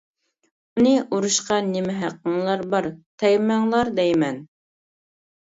ئۇنى ئۇرۇشقا نېمە ھەققىڭلار بار؟ تەگمەڭلار دەيمەن!